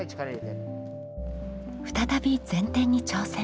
再び前転に挑戦。